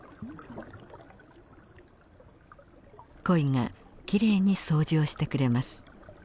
コイがきれいに掃除をしてくれます。